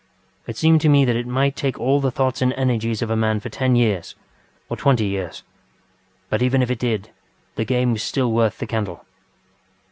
It seemed to me that it might take all the thought and energies of a man for ten years, or twenty years, but, even if it did, the game was still worth the candle.